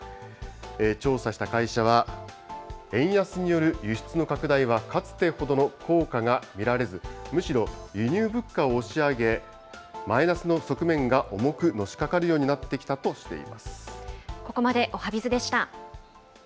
調査した会社は、円安による輸出の拡大はかつてほどの効果が見られず、むしろ輸入物価を押し上げ、マイナスの側面が重くのしかかるようになってきたとしています。